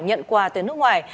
nhận qua tới nước ngoài